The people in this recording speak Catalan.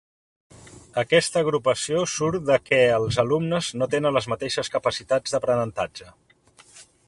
Aquesta agrupació surt de què els alumnes no tenen les mateixes capacitats d'aprenentatge.